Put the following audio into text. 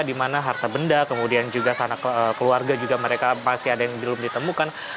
di mana harta benda kemudian juga sanak keluarga juga mereka masih ada yang belum ditemukan